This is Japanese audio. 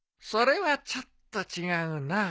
それはちょっと違うな。